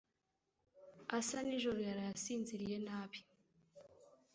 Asa nijoro yaraye asinziriye nabi